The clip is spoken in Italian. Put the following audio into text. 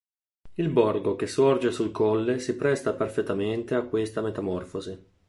Il borgo che sorge sul colle si presta perfettamente a questa metamorfosi.